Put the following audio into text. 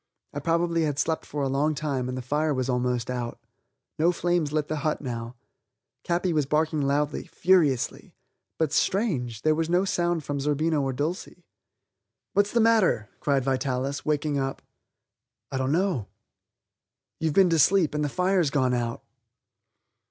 I probably had slept for a long time and the fire was almost out. No flames lit the hut now. Capi was barking loudly, furiously. But, strange! there was no sound from Zerbino or Dulcie. "What's the matter?" cried Vitalis, waking up. "I don't know." "You've been to sleep, and the fire's gone out."